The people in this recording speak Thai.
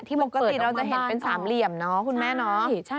ที่มันเปิดออกมาเห็นเป็นสามเหลี่ยมเนาะคุณแม่เนาะ